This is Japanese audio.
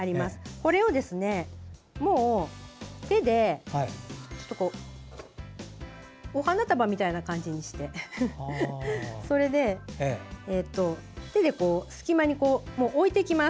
これを手でお花束みたいな感じにして手で隙間に置いていきます。